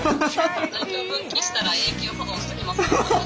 「在京分岐したら永久保存しておきますね」。